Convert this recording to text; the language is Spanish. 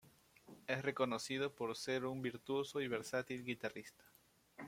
Es reconocido por ser un virtuoso y versátil guitarrista.